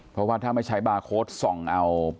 เพราะว่าถ้าไม่ใช้บาร์โค้ดส่องเอา